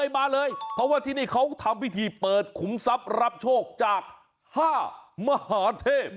มาเลยเพราะว่าที่นี่เขาทำพิธีเปิดขุมทรัพย์รับโชคจาก๕มหาเทพ